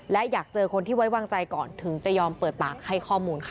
และอยากเจอคนที่ไว้วางใจก่อนถึงจะยอมเปิดปากให้ข้อมูลค่ะ